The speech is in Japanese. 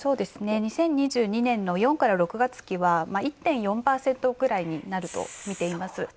２０２２年４６月期は１．４％ぐらいになるとみています。